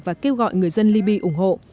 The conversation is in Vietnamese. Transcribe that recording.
và kêu gọi người dân libby ủng hộ